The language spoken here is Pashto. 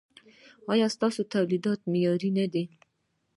ایا ستاسو تولیدات معیاري نه دي؟